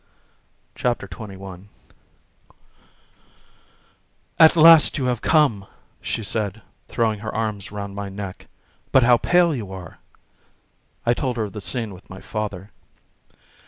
Chapter XXI "At last you have come," she said, throwing her arms round my neck. "But how pale you are!" I told her of the scene with my father.